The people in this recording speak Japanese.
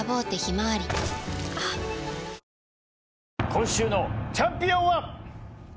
今週のチャンピオンは。